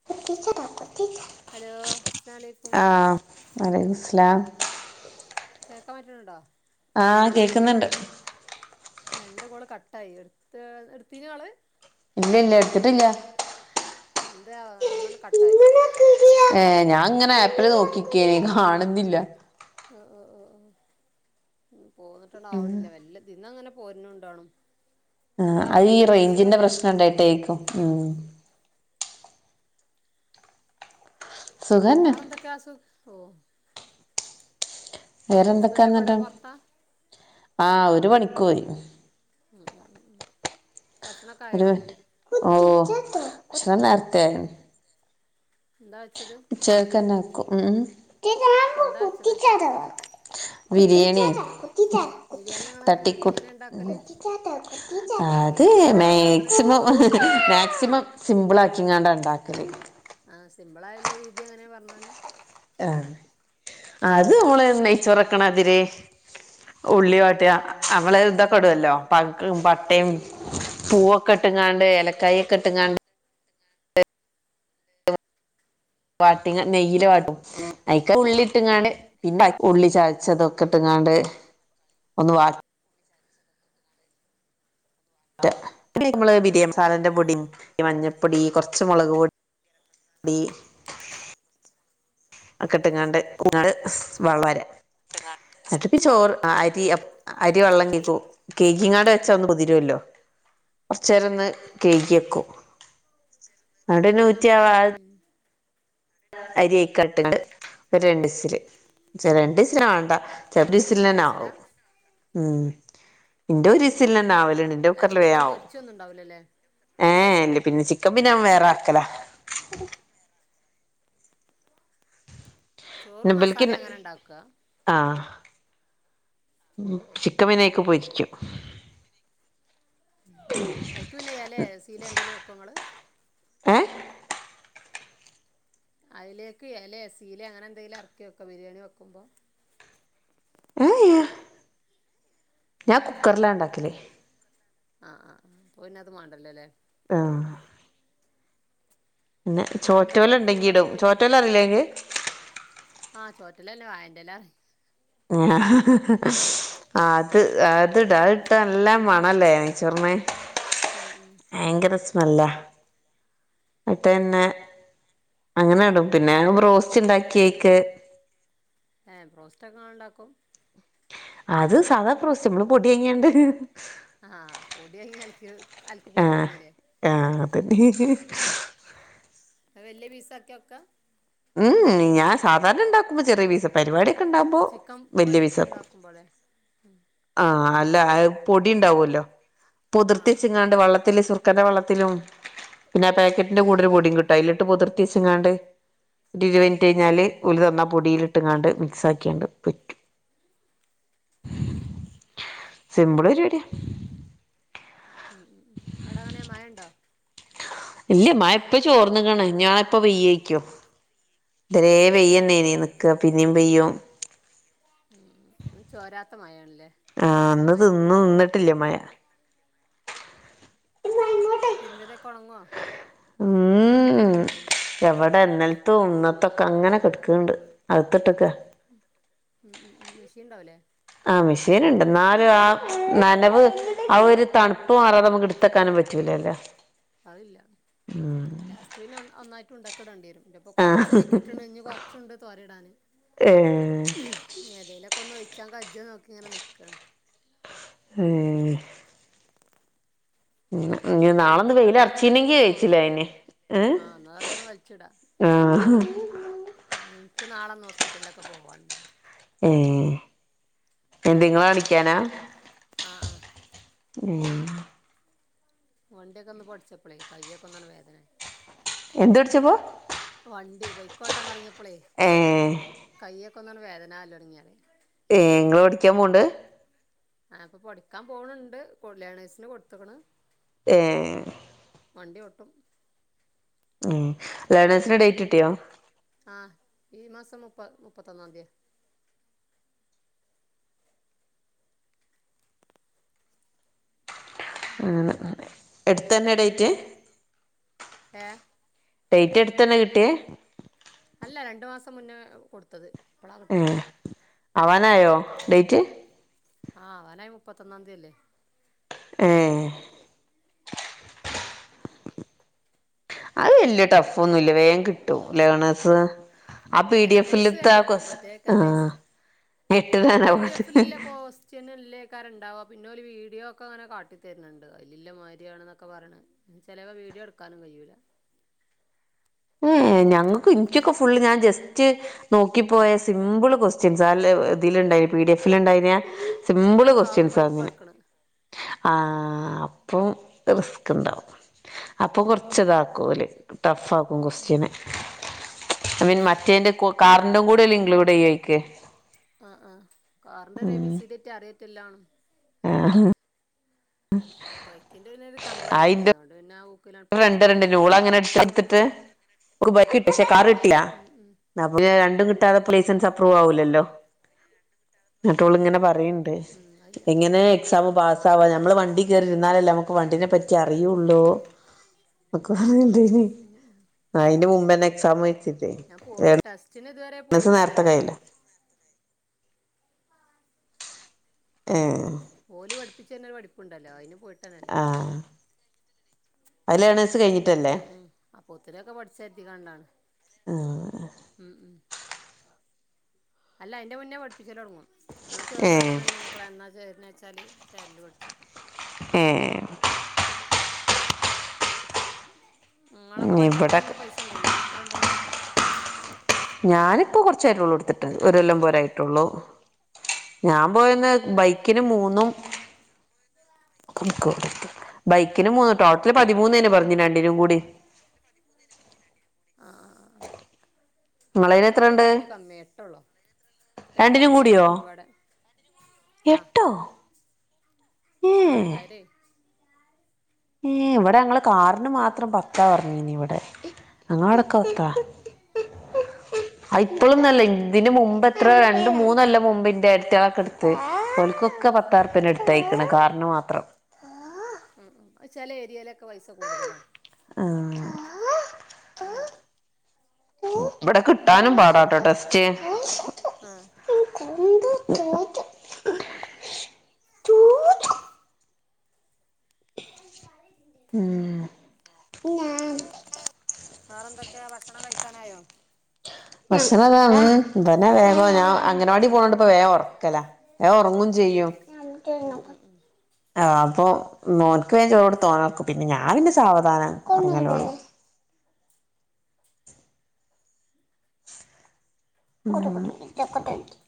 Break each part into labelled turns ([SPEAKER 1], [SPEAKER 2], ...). [SPEAKER 1] [unintelligible]
[SPEAKER 2] Hello അസ്സ്ലാമലൈക്കും
[SPEAKER 1] വലയ്ക്കുസ്സലാം
[SPEAKER 2] കേക്കാൻ പറ്റണൊണ്ടോ
[SPEAKER 1] ആ കേക്കുന്നൊണ്ട്
[SPEAKER 2] രണ്ടു കോള് കട്ടായി എടുത്ത് എടുത്തീനോള്
[SPEAKER 1] ഇല്ലല്ല ഇട്ത്തിട്ടില്ല
[SPEAKER 2] എന്ത്യാവോ? ഒന്നണ് കട്ടായി.
[SPEAKER 1] ഏ ഞാൻങ്ങനെ ആപ്പില് നോക്കിനിക്കേനു കാണുന്നില്ല
[SPEAKER 2] ഓ ഓ ഓ ഓ ഉം പോന്നിട്ടണ്ടാവണില്ലാ വെല്ലൃ തിന്നാങ്ങനെ പോരുണുണ്ടാവണം
[SPEAKER 1] ആ അയീ റേഞ്ചിന്റെ പ്രശ്നം ണ്ടായിട്ടായിരിക്കും ഉം സുഖന്നെ
[SPEAKER 2] വേറൊന്തൊക്കെയാ അസു ഓ
[SPEAKER 1] വേറെ
[SPEAKER 2] ഹസ്ബൻഡൊക്കെ എവിടെ
[SPEAKER 1] എന്തൊക്കെയന്നേരം
[SPEAKER 2] പുറത്താ
[SPEAKER 1] ആ ഓര് പണിക്കോഴി
[SPEAKER 2] [unintelligible] ഭക്ഷണൊക്കെ ആയോ
[SPEAKER 1] ഒരുവട്ട് ഓ നേർത്തേ
[SPEAKER 2] എന്താ വെച്ചത്
[SPEAKER 1] ഉച്ചെക്കെന്നാക്കും ഉം
[SPEAKER 2] എന്താ വെച്ചത് ചോദിച്ചാ
[SPEAKER 1] ബിരിയേണിയെ
[SPEAKER 2] ബിരിയാണി നിങ്ങൾ
[SPEAKER 1] തട്ടിക്കൂട്ട്.
[SPEAKER 2] എങ്ങനെ ഉണ്ടാക്കല്
[SPEAKER 1] അത്
[SPEAKER 2] തട്ടിക്കൂട്ടായാലും അത് ഉണ്ടാക്കണ രീതി
[SPEAKER 1] മാക്സിമം
[SPEAKER 2] ഉണ്ടാവുമല്ലോ
[SPEAKER 1] മാക്സിമം സിമ്പിളാക്കിങ്ങാണ്ടാ ണ്ടാക്കല്
[SPEAKER 2] ആ സിമ്പിളായുള്ള രീതി എങ്ങനെയാ പറഞ്ഞോളി
[SPEAKER 1] ആഹ് അത് നമ്മള് നെയ്ച്ചോറെക്ക്ണതിര് ഉള്ളി വാട്ടിയാ നമ്മള് ഇതൊക്കെ ഇടുവല്ലോ പങ്കും പട്ടയും പൂവൊക്കെ ഇട്ട്ങ്ങാണ്ട് ഏലക്കായൊക്കെ ഇട്ട്ങ്ങാണ്ട് വാട്ടിങ്ങ് നെയ്യില് വാട്ടും അയ്ക്ക
[SPEAKER 2] ഓ
[SPEAKER 1] ഉള്ളിട്ടിങ്ങാണ്ട്‌ പിന്നെ ഉള്ളി ചച്ചതൊക്കെ ഇട്ടുങ്ങാണ്ട് ഒന്ന് വ റ്റ് നമ്മള് ബിരിയാ
[SPEAKER 2] ഉം ഉം
[SPEAKER 1] മസാലേന്റെ പൊടിയും മഞ്ഞപ്പൊടി കോർച്ച് മുളകുപൊ ടി ഒക്കെട്ട്ങ്ങാണ്ട് ങ്ങാട് വളരെ ന്നട്ടപ്പ ചോറ് അരി അപ് അരിവെള്ളം കെഗ്ഗു കെയ്ഗിങ്ങാണ്ട്‌ വെച്ചാ ഒന്നു കുതിരുവല്ലോ കൊർച്ചേരൊന്ന് കെയ്കെക്കും
[SPEAKER 2] [unintelligible] ഹും
[SPEAKER 1] അരിയെക്കെട്ടിങ്ങാണ്ട് ഒരു രണ്ടുവിസില് ക്ഷേ രണ്ടുവിസില് വാണ്ട
[SPEAKER 2] രണ്ട് വിസിലാ
[SPEAKER 1] [unintelligible] ഉം
[SPEAKER 2] ഓ
[SPEAKER 1] ന്റൊര്
[SPEAKER 2] ഓ
[SPEAKER 1] സിലിനെന്നാവല്ണ്ട്‌ ന്റെ
[SPEAKER 2] അല്ല
[SPEAKER 1] കുക്കറില്
[SPEAKER 2] ചിക്കൻ
[SPEAKER 1] വേംആവും
[SPEAKER 2] പൊരിച്ചൊന്നും ഉണ്ടാവൂലല്ലേ
[SPEAKER 1] ഏല്ലേ പിന്നെ ചിക്കൻ പിന്നെ വേറാക്കല
[SPEAKER 2] ചോറും മസാലം അങ്ങനെണ്ടാക്ക
[SPEAKER 1] ആഹ് ചിക്കൻ പിന്നെ അയ്ക്ക് പൊരിക്കും
[SPEAKER 2] അയ്ക്ക് പിന്നെ എലേ സീലേ എന്തേലും വെക്കോങ്ങള്
[SPEAKER 1] ഏ
[SPEAKER 2] അയിലേക്ക് എലേ സീലേ അങ്ങനെ എന്തേലും എറക്കി വെക്കോ ബിരിയാണി വെക്കുമ്പോ
[SPEAKER 1] ഏഹ് യേ ഞാ കുക്കറിലാ ണ്ടാക്കല്
[SPEAKER 2] ആഹ് ആഹ് അപ്പോപിന്നെ അത് മാണ്ടല്ലോല്ലേ
[SPEAKER 1] ആഹ് പിന്നെ
[SPEAKER 2] അവിടെ
[SPEAKER 1] ചോറ്റോല
[SPEAKER 2] എന്തൊക്കെയാണ്
[SPEAKER 1] ഇണ്ടെങ്കി
[SPEAKER 2] ടൂറൊക്കെ
[SPEAKER 1] ഇടും
[SPEAKER 2] പോയിനോ
[SPEAKER 1] ചോറ്റോല അറിയില്ലേ ഇങ്ങൾക്ക്
[SPEAKER 2] ആ ചോറ്റെലല്ല വാഴന്റെ ഇല.
[SPEAKER 1] ആഹാ [unintelligible] ആഹ് അത് അതിടാ അതിട്ടാ നല്ല മണല്ലേ നെയ്ചോറിന്
[SPEAKER 2] ഉം ഉം
[SPEAKER 1] ഭയങ്കര സ്മെല്ലാ ഇന്ന്ട്ടന്നെ അങ്ങനെടും പിന്നെ ബ്രോസ്റ്റ് ഉണ്ടാക്കി അയ്ക്ക്
[SPEAKER 2] ഏഹ് ബ്രോസ്റ്റോക്കെ ഇങ്ങള്ണ്ടാക്കും
[SPEAKER 1] അത് സാദാ ബ്രോസ്റ്റ് നമ്മള് പൊടി വാങ്ങിക്കാണ്ട്
[SPEAKER 2] ആഹ് പൊടിയാങ്ങി അൽക് അലക്ക് കുത്ത് പണിലേ
[SPEAKER 1] അതെന്നെ
[SPEAKER 2] അത് വലിയ പീസ് ആക്കി വെക്കാം.
[SPEAKER 1] ഏ യേ ഞാൻ സാധാരണ ഉണ്ടാക്കുമ്പോ ചെറിയ പീസാ പരിപവാടി ഒക്കെ ഉണ്ടാവുമ്പോ
[SPEAKER 2] ചിക്കൻ
[SPEAKER 1] വല്യ
[SPEAKER 2] പൊരിക്ക്
[SPEAKER 1] പീസാക്കും
[SPEAKER 2] ഉണ്ടാക്കുമ്പോളേ
[SPEAKER 1] ആഹ് അല്ല അത് പൊടി ഉണ്ടാവുമല്ലോ
[SPEAKER 2] ആ
[SPEAKER 1] പൊതിർത്തി
[SPEAKER 2] ആ ആ
[SPEAKER 1] വെച്ച്കാണ്ട് വെള്ളത്തില് സുർ സുർക്കന്റെ വെള്ളത്തിലും പിന്നെ ആ പാക്കറ്റിന്റെ കൂടെ ഒരു പൊടിം കിട്ടും അയ്‌ലിട്ട് പൊതിർത്തി വെച്ച്കാണ്ട് ഒരു ഇരുവിൻറ്റ് കഴിഞ്ഞാല് ഓല് തന്ന ആ പൊടിയിലിട്ട്കാണ്ട് മിക്സ് ആക്കികാണ്ട് പൊരിക്കും സിമ്പിൾ പരിപാടിയാ
[SPEAKER 2] ഉം ഉം ഉം അവിടെ എങ്ങനെയാ മഴയുണ്ടോ?
[SPEAKER 1] ഇല്ല മഴ ഇപ്പ ചോർന്നുക്കേണ് ഇനിപ്പോ പെയ്യേര്ക്കും. ഇതെരേ പെയ്യെന്നെയ്നി നിക്ക പിന്നിം പെയ്യും
[SPEAKER 2] ന്നിം പെയ്യും ഉം ഒരു ചോരാത്ത മഴയാണ്ലേ
[SPEAKER 1] ആ ഇന്ന് തിന്നും ന്നിട്ടില്ല മഴ
[SPEAKER 2] തിരുമ്പിയതൊക്കെ ഒണങ്ങോ
[SPEAKER 1] [unintelligible] എവടെ ഇന്നൽത്തും ഇന്നത്തൊക്കെ അങ്ങനെ കെട്ക്ക്ണ് ണ്ട് അകത്തിട്ട്ക്കാ
[SPEAKER 2] ഉം ഉം ഉം മെഷീൻ ഉണ്ടാവൂലേ
[SPEAKER 1] ആഹ് മെഷീൻ ഉണ്ട് എന്നാലും ആ നനവ് ആ ഒരു തണുപ്പ് മാറാതെ നമുക്ക് എടുത്ത് വെക്കാനും പറ്റൂലല്ലോ
[SPEAKER 2] അതില്ല ലാസ്റ്റ് പിന്നെ ഒന്നായിട്ട് ഉണ്ടക്ക്ടെണ്ടിരും ഇപ്പ കുറച്ച്
[SPEAKER 1] ആഹ്
[SPEAKER 2] ചിക്കിട്ട്ണ് ഇനി കുറച്ചുണ്ട് തോരയടാന് [inaudible]
[SPEAKER 1] ഏഹ്
[SPEAKER 2] ഏതേലൊക്കെ ഒന്ന് ഒഴിച്ചാൻ കജ്ജ്ന്നോക്കി ങ്ങനെ നിൽക്കാണ്
[SPEAKER 1] ഏ.. ഹ് ങ്ങനെ ഇഞ്ഞ് നാളൊന്ന്
[SPEAKER 2] വേറെന്തൊക്കെ
[SPEAKER 1] വെയില് അർച്ചീനെങ്കി കഴിച്ചിലായീനി
[SPEAKER 2] ആഹ് ന്നാ അതൊക്കെ ഒന്ന് വൽച്ച്ടാ
[SPEAKER 1] ആഹ്
[SPEAKER 2] ൻക്ക് നാളൊന്ന് ഹോസ്പിറ്റലിലൊക്കെ പോവാണ്ട്
[SPEAKER 1] ഏ എന്തെ ഇങ്ങളെ കാണിക്കാനാ
[SPEAKER 2] ആഹ് ആഹ്
[SPEAKER 1] യേ
[SPEAKER 2] വണ്ടിയൊക്കെ ഒന്ന് ഓടിച്ചപ്പോഴേ കയ്യൊക്കെ ഒന്നാണ്ട് വേദനയായി.
[SPEAKER 1] എന്ത് പഠിച്ചപ്പോ
[SPEAKER 2] വണ്ടി ബൈക്കോട്ടാൻ തൊടങ്ങ്യപ്പളേ
[SPEAKER 1] ഏഹ്
[SPEAKER 2] കയ്യൊക്കെ ഒന്നാണ്ട് വേദനാലൊടങ്ങിയാണെ
[SPEAKER 1] ഏഹ് ഇങ്ങള് പഠിക്കാൻ പോണ്ട്
[SPEAKER 2] ആ പ്പൊ പഠിക്കാ പോണ് ണ്ട് കൊ ലേണേസിന് കൊട്ത്ത്ക്ക്ണ്
[SPEAKER 1] ഏ
[SPEAKER 2] വണ്ടി ഓട്ടും
[SPEAKER 1] ഉം ലേണേഴ്സിന്റെ ഡേറ്റ് കിട്ടിയോ
[SPEAKER 2] ആഹ് ഈ മാസം മുപ്പ മുപ്പത്തൊന്നാന്തിയാ [unintelligible]
[SPEAKER 1] എട്ത്തന്നെ ഡേറ്റ്
[SPEAKER 2] ഏഹ്
[SPEAKER 1] ഡേറ്റ് അടുത്ത് തന്നെ കിട്ടിയേ
[SPEAKER 2] അല്ല രണ്ടു മാസം മുന്നേ കൊടുത്തത് ഇപ്പളാ കിട്ടിയത്
[SPEAKER 1] ഉംഹ് ആവാനായോ ഡേറ്റ്?
[SPEAKER 2] ആഹ് അവന് മുപ്പത്തി ഒന്നാം തീയതിയല്ലേ?
[SPEAKER 1] എയ് അത് വല്യ ടഫ് ഒന്നും ഇല്ല വേഗം കിട്ടും ലേണേസ് ആ പി ഡി എഫി
[SPEAKER 2] ലേണേഴ്സ്
[SPEAKER 1] ൽത്തെ
[SPEAKER 2] വേഗം
[SPEAKER 1] ആ
[SPEAKER 2] കിട്ടും
[SPEAKER 1] കൊസ്
[SPEAKER 2] മറ്റേക്കാ
[SPEAKER 1] ആ
[SPEAKER 2] ലൈസ്
[SPEAKER 1] എട്ടു താന ആവത്
[SPEAKER 2] ചെന്നല്ലേക്കാരു ഉണ്ടാവുക പിന്നെ ഒരു വീഡിയോ ഒക്കെ അങ്ങനെ കാട്ടിത്തരുന്നുണ്ട് അയിലില്ല മാതിരിയാണെന്നൊക്കെ പറയണ് ചെലവ വീഡിയോ എടുക്കാനും കയ്യൂല
[SPEAKER 1] ഏഹ് ഞങ്ങക്ക് ഇന്ക്കെക്കെ ഫുള്ള് ഞാൻ ജസ്റ്റ് നോക്കിപ്പോയ സിമ്പിൾ ക്വാസ്റ്റ്യൻസാ അല്ലേ ഇതില്ണ്ടായി പി ഡി എഫില്ണ്ടായിനെ
[SPEAKER 2] ആ,
[SPEAKER 1] സിംമ്പിള്
[SPEAKER 2] ഞാൻ കാറും
[SPEAKER 1] ക്വസ്റ്റ്യൻസാ
[SPEAKER 2] ബൈക്കും
[SPEAKER 1] അങ്ങനെ
[SPEAKER 2] എടുക്കണ്
[SPEAKER 1] ആഹ് അപ്പം റിസ്ക്ക്ണ്ടാവും അപ്പോൾ കൊറച്ച് ഇതാക്കും ഓല് ടഫ് ആക്കും.
[SPEAKER 2] ഉം ഉം ഉം
[SPEAKER 1] അയ് മീൻ മറ്റേന്റെ കൊ കാറിന്റും കൂടെ ഇൻക്ലൂഡ് ചെയ്യയ്ക്ക്
[SPEAKER 2] ആ ആ കാറിൻന്റെഒരു എ ബീ സി ടി ഒറ്റ അറിയതില്ലന്നു
[SPEAKER 1] ആഹ് ഹാ
[SPEAKER 2] ബൈക്കിന്റെ പിന്നെ ഒരു കമ്പം ഉണ്ടായ്ന് അതോണ്ട് പിന്നെ ഔ
[SPEAKER 1] രണ്ട് രണ്ട് ഓള് അങ്ങനെ എടുത്തിട്ട് ഒൾക് ബൈക്ക് കിട്ടി പക്ഷെ കാർ കിട്ടിലാ.
[SPEAKER 2] ഉം ഉം
[SPEAKER 1] അപ്പ രണ്ട കിട്ടാതെപ്പോ ലൈസസ് അപ്രൂവ് ആവുല്ലല്ലോ? എന്നിട്ടോള് ഇങ്ങനെ പറയണ്ട്
[SPEAKER 2] ഉം അതില്ല
[SPEAKER 1] എങ്ങനെ എക്സാം പാസ് ആവാ നമ്മള് വണ്ടി കേയറിരുന്നാലല്ലേ നമുക്ക് വണ്ടീനെ പറ്റി അറിയുള്ളൂ. ഒക്കെ [unintelligible] ഇണ്ടായിനെ അയിന് മുമ്പന്നെ എക്സാം വെച്ചിട്ടേ
[SPEAKER 2] പോയി ടെസ്റ്റിന് ഇതുവരെ
[SPEAKER 1] ഏണേഴ്സ് നേരത്തെ
[SPEAKER 2] പോയിട്ടാനല്ല
[SPEAKER 1] കയ്യില്ലേ ഏഹ്
[SPEAKER 2] ഓല് പഠിപ്പിച്ചെര്ന്ന പഠിപ്പ്ണ്ടല്ലോ അയിന് പോയി
[SPEAKER 1] ആഹ് അത് ലേണേഴ്സ് കഴിഞ്ഞ്.
[SPEAKER 2] ഉം ഉം അപ്പൊ ഒത്തിരിയൊക്കെ പഠിച്ചിരുത്തി കൊണ്ടാണ് ഉം ഉം. അല്ലാ അയ്ന്റെ മുന്നേ പഠിപ്പിച്ചൽ തുടങ്ങും നമ്മള്
[SPEAKER 1] ഏ
[SPEAKER 2] ചേർന്നുട തന്നെ. അപ്പള എന്നാ ചേരുന്ന വച്ചാല് ചേരല് പടിച്ചാ
[SPEAKER 1] ഏ
[SPEAKER 2] മോളൊക്കെ പഠിച്ചാൻ
[SPEAKER 1] ഇവിടെ
[SPEAKER 2] പോയിന്ന അന്ന് പൈസ ഇൻണ്ടയ്ന്ന എത്ര ഇൻണ്ടയ്ന്
[SPEAKER 1] ഞാന്പ്പോ കൊറച്ചായിട്ടോള്ളൂ ഇട്ത്തിട്ട് ഒരു കൊല്ലം പോരായിട്ടൊള്ളൂ ഞാൻ പോയ്യന്ന് ബൈക്കിന്
[SPEAKER 2] ഉം ഉം
[SPEAKER 1] മൂന്നും ബൈക്കിന് മൂന്ന് ടോട്ടൽ പതിമൂന്ന് തന്നെ പറഞ്ഞു രണ്ടിനും
[SPEAKER 2] ആ
[SPEAKER 1] കൂടി.
[SPEAKER 2] ആഹ്
[SPEAKER 1] നിങ്ങളേല്
[SPEAKER 2] ഞങ്ങുടെ
[SPEAKER 1] എത്രണ്ട്
[SPEAKER 2] റേറ്റ് കമ്മിയ എട്ടള്ളൂ എട്ട്
[SPEAKER 1] രണ്ടിനും
[SPEAKER 2] എട്ട് രണ്ടിനും പാടെ
[SPEAKER 1] എട്ടൊ
[SPEAKER 2] ആഹ് നാട്ടാരേ
[SPEAKER 1] ഏ ഇവിടെ ഞങ്ങള് കാറിന് മാത്രം പത്താ പറഞ്ഞീനി ഇവിടെ ഞങ്ങ അവിടൊക്കെ പത്താ അത് ഇപ്പോളുംന്ന് അല്ല ഇതിന് മുമ്പ് എത്ര രണ്ട മൂന്നല്ല മുമ്പ് ഇന്റെ അടുത്തയാളക്കെടു ത്ത് ഒൽക്കൊക്കെ പത്തായിര റുപ്പ്യന്റെംഅടുത്തയക്കണ് കാറിന് മാത്രം
[SPEAKER 2] ഉ ഉ ചില ഏരിയയിലൊക്കെ പൈസ കൂടുതലാണ്.
[SPEAKER 1] ആഹ്
[SPEAKER 2] മലണ്ട്. [inaudible]
[SPEAKER 1] ഇവടെ കിട്ടാനും പാടാട്ടോ ടെസ്റ്റ്..
[SPEAKER 2] ആഹ്
[SPEAKER 1] ഉമ്
[SPEAKER 2] [inaudible] വെറെ എന്തൊക്കെയാ ഭക്ഷണം കഴിക്കാനായോ?
[SPEAKER 1] ഭക്ഷണംന്നെ വേഗം ഞാൻ അങ്ങനവാടി പോകണണ്ടപ്പ വേഗം ഒറക്കലാ. വേം ഉറങ്ങും
[SPEAKER 2] ആഹ് ആഹ്
[SPEAKER 1] ചെയ്യും മ്മച്ചി
[SPEAKER 2] ഉം
[SPEAKER 1] ഒങ്ങണം
[SPEAKER 2] ഉം ഉം
[SPEAKER 1] ആ അപ്പൊ മോൻക്ക് വേ ചോറൊട്ത് ഓനെ ഒറക്കും പിന്നെ ഞാൻ പിന്നെ സാവധാനം ഒർങ്ങ ലൊള്ളൂ [unintelligible]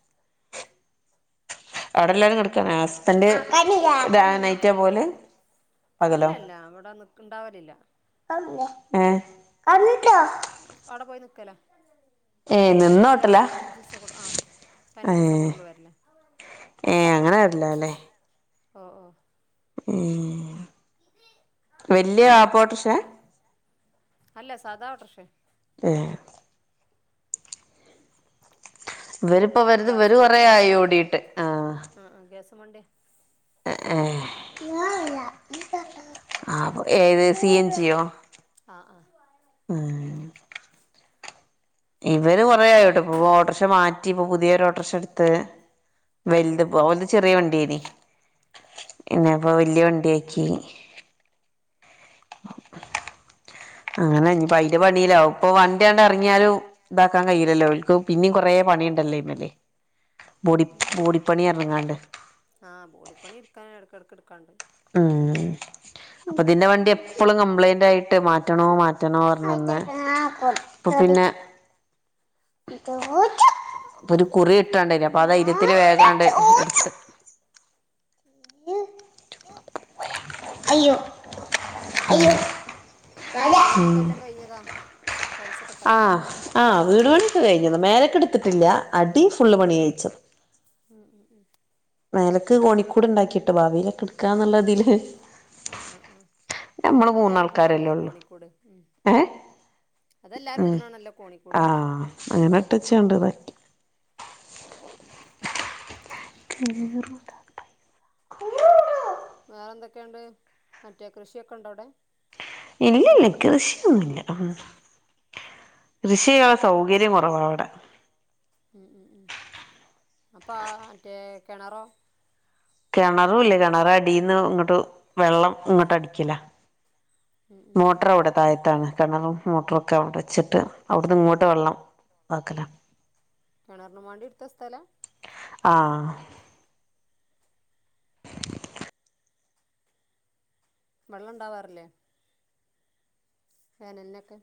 [SPEAKER 1] അവ്ടെ എല്ലാരും കെടക്കാനായോ ഹസ്ബൻഡ് ഇതാവാനായിറ്റാ പോവല്
[SPEAKER 2] അല്ല
[SPEAKER 1] പകലോ
[SPEAKER 2] അല്ല ഇവടെ നിക്ക്ൻണ്ടാവരില്ല..
[SPEAKER 1] [inaudible]
[SPEAKER 2] ഇപ്പവ്ടെ പോയി നിക്കലാ
[SPEAKER 1] ഏ
[SPEAKER 2] അഴച്ചാലോ
[SPEAKER 1] നിന്നോട്ടലാ
[SPEAKER 2] പതിനഞ്ച് ദിവസം ആ പതിനഞ്ച് ദിവസം
[SPEAKER 1] ഏ
[SPEAKER 2] കുടുംബ വരലാ
[SPEAKER 1] ഏഹ് അങ്ങനെ വരില്ല ല്ലേ.
[SPEAKER 2] ഓഹ് ഓഹ്
[SPEAKER 1] ഏഹ് വല്ല്യ ആപ്പോ ഒട്ടൊറ്ക്ഷെ..
[SPEAKER 2] അല്ല സാധാ ഓട്ടോറിക്ഷ..
[SPEAKER 1] എഹ് ഇവര്പ്പം ഇവര്ത് ഇവര്
[SPEAKER 2] ഗ്യാസ്
[SPEAKER 1] കുറെ
[SPEAKER 2] ഗ്യാസ്
[SPEAKER 1] ആയി
[SPEAKER 2] വണ്ടി
[SPEAKER 1] ഓടീട്ട് ആഹ്
[SPEAKER 2] ആഹ് ആഹ് ഗ്യാസവണ്ടി
[SPEAKER 1] ഏ ആ ഏത് സി, എൻ, ജിയോ?
[SPEAKER 2] ആഹ് ആഹ്
[SPEAKER 1] ആഹ് ഇവര് കൊറയായിട്ടോ ഇപ്പൊ ഓട്ടോറിക്ഷ മാറ്റി ഇപ്പൊ പുതിയ ഒരു ഓട്ടോറിക്ഷ എടുത്ത്..
[SPEAKER 2] ഓഹ്
[SPEAKER 1] വലുത
[SPEAKER 2] ഓഹ്
[SPEAKER 1] പോ ചെറിയ വണ്ടിയനി പിന്നെ അപ്പ വല്യ വണ്ടിയ ആക്കി. [inaudible] അങ്ങനെ ഇഞ്ഞ്പ്പയിന്റെ പണീലാവും ഇപ്പൊ വണ്ടിയാണ്ട് എറങ്ങിയാലും ഇതാക്കാ കഴില്ലാല്ലോ ഒൽക്ക് പിന്നിം കൊറെ പണിണ്ടല്ലോ അയ്മ്മെല്
[SPEAKER 2] ഉം
[SPEAKER 1] മൂടി
[SPEAKER 2] ഉം ഉം
[SPEAKER 1] മൂടിപ്പണി ന്ന് പറഞ്ഞ്ങ്ങാണ്ട്..
[SPEAKER 2] ആഹ് ബോഡി പണി എടുക്കാൻ എടക്ക് എടക്ക് എടക്കാണ്ട്.
[SPEAKER 1] ഉം. അപ്പൊ ഇതിന്റെ വണ്ടി എപ്പോഴും കംപ്ലൈന്റ് ആയിട്ട് മാറ്റണോ മാറ്റണോ പറഞ്ഞ വന്ന് അപ്പൊ പിന്നെ അപ്പൊഒരു കുറി കിട്ടാണ്ടൈ നിഅപ്പൊ ആദൈര്യത്തിൽ വേഗണ്ട് കുറച്ച് അയ്യോ അയ്യോ..
[SPEAKER 2] വീട്
[SPEAKER 1] ഉം
[SPEAKER 2] പണിയൊക്കെ എല്ലാം കഴിഞ്ഞതാ ടൈൽസൊക്കെ ഇട്ടതാ
[SPEAKER 1] ആഹ് ആഹ് വീട് പണിയൊക്കെ കഴിഞ്ഞത് മേലക്കെടുത്തിട്ടില്ല അടി ഫുള് പണി കയ്ച്ച്
[SPEAKER 2] ഉമ് ഉമ് ഉമ്
[SPEAKER 1] മേലക്ക് കോണിക്കൂട് ഇണ്ടാക്കിട്ട് ഭാവിലൊക്കെ ഇട്ക്കാന്ന്ള്ളതില്
[SPEAKER 2] ആഹ് ആഹ് ആഹ് ഇപ്പ എല്ലാരും ഇടണാണല്ലോ
[SPEAKER 1] ഉള്ളു
[SPEAKER 2] കോണിക്കൂട് ഉംഹ്.
[SPEAKER 1] ഏഹ്
[SPEAKER 2] അതെല്ലാരും
[SPEAKER 1] ഉം
[SPEAKER 2] ഇടണാണല്ലോ കോണിക്കൂട്.
[SPEAKER 1] ആഹ് അങ്ങനെ ഇട്ടച്ച ണ്ട് താക്കി. ചൊരത്ത് [unintelligible]
[SPEAKER 2] വേറെ എന്തൊക്കെയുണ്ട് മറ്റേ കൃഷിയൊക്കെ ഉണ്ടോ അവിടെ?
[SPEAKER 1] ഇല്ലല്ല കൃഷിയൊന്നുല്ല കൃഷിയ്യാന്ള്ള സൗകര്യം കൊറവാ ഇവടെ
[SPEAKER 2] ഉമ് ഉമ് ഉമ് അപ്പാ ആഹ് മറ്റേ കിണറോ
[SPEAKER 1] കിണറും ഇല്ലേ കിണറ് അടിന്ന് ഇങ്ങോട്ട് വെള്ളം ഇങ്ങോട്ട് അടിക്കല
[SPEAKER 2] ഉം ഉം
[SPEAKER 1] മോട്ടർ
[SPEAKER 2] ഉം
[SPEAKER 1] അവിടെ താഴത്താണ്. കെണറും മോട്ടറൊക്കെ അവിടെ വെച്ചിട്ട് അവിടുന്ന് ഇങ്ങോട്ട് വെള്ളം ആക്കല
[SPEAKER 2] കെണറിനും വേണ്ടി ഇടുത്ത സ്ഥലാ
[SPEAKER 1] ആഹ്
[SPEAKER 2] വെള്ളം ഉണ്ടാവാറില്ലേ ഫാൻ നോകോ